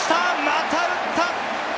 また打った！